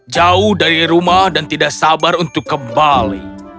jauh dari rumah dan tidak sabar untuk kembali